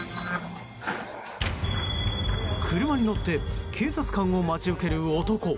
車に乗って警察官を待ち受ける男。